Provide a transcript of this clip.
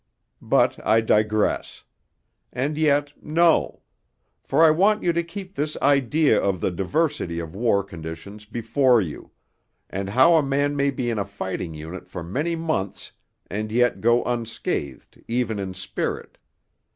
III But I digress. And yet no. For I want you to keep this idea of the diversity of war conditions before you, and how a man may be in a fighting unit for many months and yet go unscathed even in spirit.